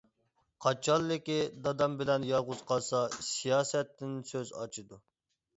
قاچانلىكى دادام بىلەن يالغۇز قالسا، سىياسەتتىن سۆز ئاچىدۇ.